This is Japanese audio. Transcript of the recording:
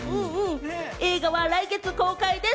映画は来月公開です。